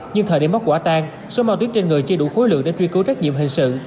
nhưng thời điểm bắt quả tan số ma túy trên người chưa đủ khối lượng để truy cứu trách nhiệm hình sự